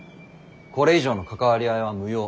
これ以上の関わり合いは無用。